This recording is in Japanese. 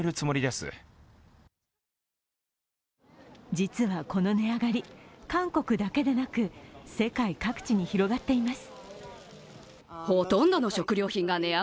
実はこの値上がり、韓国だけではなく世界各地に広がっています。